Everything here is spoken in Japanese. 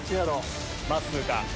まっすーか？